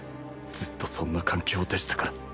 ずっとそんな環境でしたから